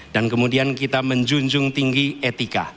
dan kemudian kita menjunjung tinggi etika